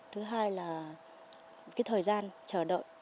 thứ hai là cái thời gian chờ đợi